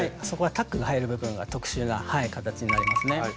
そこはタックが入る部分が特殊な形になりますね。